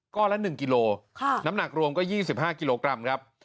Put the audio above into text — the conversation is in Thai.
ก็ละหนึ่งกิโลกรัมค่ะน้ำหนักรวมก็ยี่สิบห้ากิโลกรัมครับ